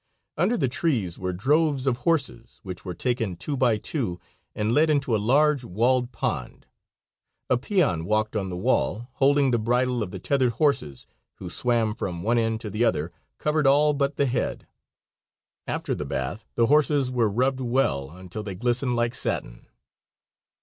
Under the trees were droves of horses, which were taken two by two, and led into a large walled pond. A peon walked on the wall, holding the bridle of the tethered horses, who swam from one end to the other, covered all but the head. After the bath the horses were rubbed well until they glistened like satin.